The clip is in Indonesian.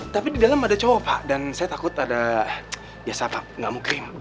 tapi di dalam ada cowok pak dan saya takut ada biasa pak gak mau krim